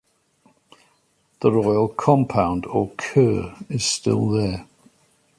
The royal compound or "keur" is still there.